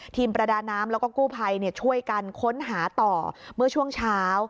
ประดาน้ำแล้วก็กู้ภัยช่วยกันค้นหาต่อเมื่อช่วงเช้า